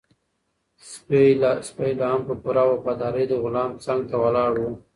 سپی لا هم په پوره وفادارۍ د غلام څنګ ته ولاړ و.